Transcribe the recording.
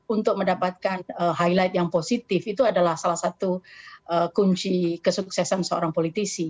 untuk mendapatkan highlight yang positif itu adalah salah satu kunci kesuksesan seorang politisi